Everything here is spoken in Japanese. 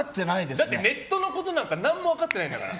だって、ネットのことなんか何にも分かってないんだから。